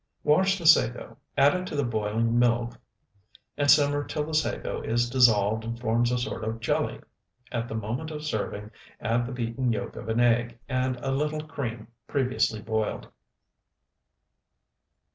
Wash the sago, add it to the boiling milk, and simmer till the sago is dissolved and forms a sort of jelly. At the moment of serving add the beaten yolk of an egg and a little cream previously boiled.